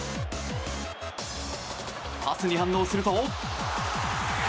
パスに反応すると。